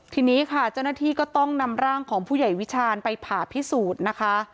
ทีนี้ค่ะเจ้าหน้าที่ก็ต้องนำร่างของผู้ใหญ่วิชาณไปผ่าพิสูจน์นะคะ